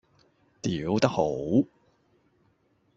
吊得好